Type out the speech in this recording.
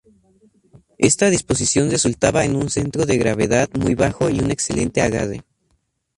Esta disposición resultaba en un centro de gravedad muy bajo y un excelente agarre.